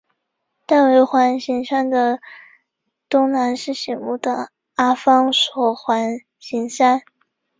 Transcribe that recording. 戴维环形山的东南是醒目的阿方索环形山。